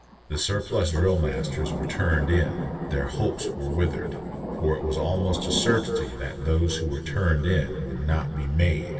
The surplus drill masters were "turned in." Their hopes were withered, for it was almost a certainty that those who were "turned in" would not be "made."